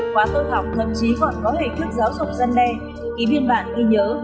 quá tôi học thậm chí còn có hình thức giáo dục dân đe ký biên bản ghi nhớ